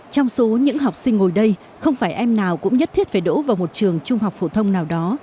trong số những học sinh ngồi đây không phải em nào cũng nhất thiết phải đổ vào một trường trung học phổ thông nào đó